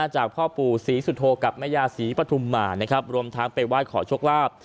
จากพ่อปู่ศรีสุโธกับแม่ยาศรีปฐุมมานะครับรวมทั้งไปไหว้ขอโชคลาภ